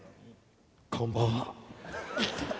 こんばんは。